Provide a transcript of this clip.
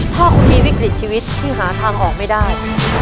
ถ้าคุณมีวิกฤตชีวิตที่หาทางออกไม่ได้